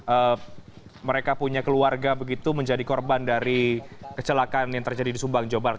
apakah mereka punya keluarga begitu menjadi korban dari kecelakaan yang terjadi di subang jawa barat